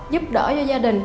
giúp đỡ cho gia đình